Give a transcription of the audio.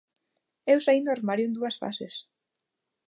Eu saín do armario en dúas fases.